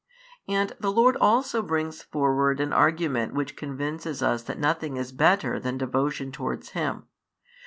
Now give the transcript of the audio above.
And the Lord also brings forward an argument which convinces us that nothing is better than devotion towards Him.